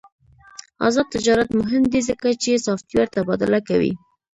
آزاد تجارت مهم دی ځکه چې سافټویر تبادله کوي.